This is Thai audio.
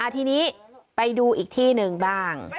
ทีนี้ไปดูอีกที่หนึ่งบ้าง